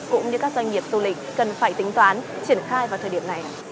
cũng như các doanh nghiệp du lịch cần phải tính toán triển khai vào thời điểm này